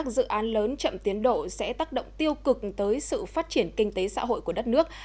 dự án lớn chậm tiến độ sẽ tác động tiêu cực tới sự phát triển kinh tế xã hội của đất nước